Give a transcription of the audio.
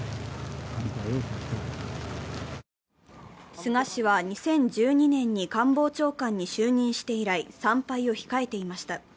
菅氏は２０１２年に官房長官に就任して以来、参拝を控えていました。